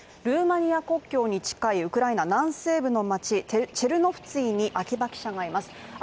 ルーマニア国境に近いウクライナ南西部の街、チェルニフツィに秋場記者がいます。